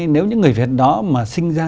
nếu những người việt đó mà sinh ra